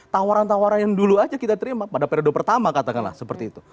tawaran tawaran yang dulu aja kita terima pada periode pertama katakanlah seperti itu